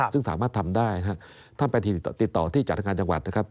ซึ่งสามารถทำได้นะครับท่านไปติดต่อที่จัดงานจังหวัดนะครับ